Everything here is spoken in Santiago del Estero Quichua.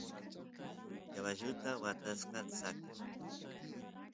caballuta watasqa saqen